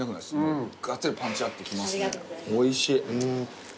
おいしい。